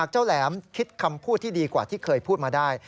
แหลมคิดคำพูดที่ดีกว่าที่เคยพูดมาได้